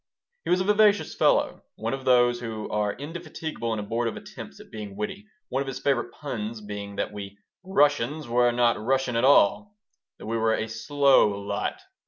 He was a vivacious fellow, one of those who are indefatigable in abortive attempts at being witty, one of his favorite puns being that we "Russians were not rushin' at all," that we were a "slow lot."